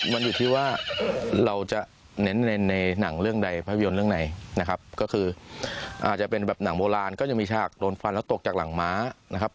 มันอยู่ที่ว่าเราจะเน้นในหนังเรื่องใดภาพยนตร์เรื่องไหนนะครับก็คืออาจจะเป็นแบบหนังโบราณก็จะมีฉากโดนฟันแล้วตกจากหลังม้านะครับ